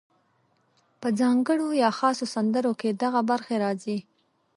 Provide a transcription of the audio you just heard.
په ځانګړو یا خاصو سندرو کې دغه برخې راځي: